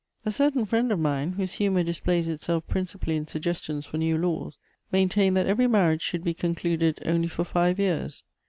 A certain friend of mine whose humor displays itself principally in suggestions for new laws, maintained that every marriage should be concluded only for five years.